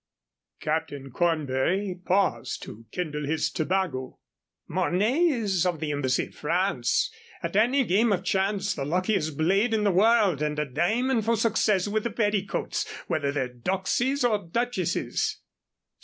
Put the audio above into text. Captain Cornbury paused to kindle his tobago. "Mornay is of the Embassy of France, at any game of chance the luckiest blade in the world and a Damon for success with the petticoats, whether they're doxies or duchesses."